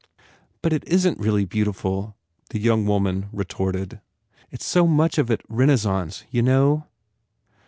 "But it isn t really beautiful," the young woman retorted, "It s so much of it Renaissance, you know?"